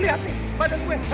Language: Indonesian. lo liat nih badan gue